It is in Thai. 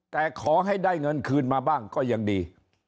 แต่ขอให้ได้เงินคืนมาบ้างก็ยังดี